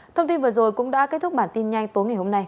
thông tin vừa rồi cũng đã kết thúc bản tin nhanh tối ngày hôm nay